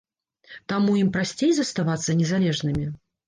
Таму ім прасцей заставацца незалежнымі?